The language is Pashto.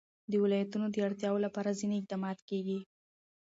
د ولایتونو د اړتیاوو لپاره ځینې اقدامات کېږي.